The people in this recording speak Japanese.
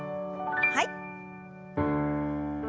はい。